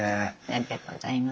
ありがとうございます。